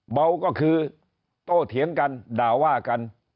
เบาก็คือโตเถียงกันด่าว่ากัน